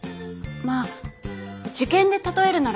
まあ受験で例えるならですけど。